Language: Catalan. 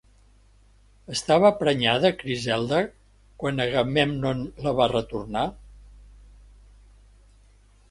Estava prenyada Criseida quan Agamèmnon la va retornar?